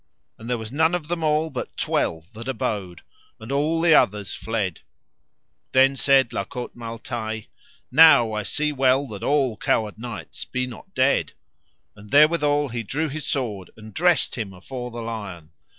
And there was none of them all but twelve that abode, and all the other fled. Then said La Cote Male Taile: Now I see well that all coward knights be not dead; and therewithal he drew his sword and dressed him afore the lion.